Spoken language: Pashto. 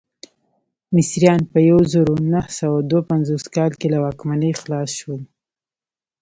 مصریان په یو زرو نهه سوه دوه پنځوس کال کې له واکمنۍ خلاص شول.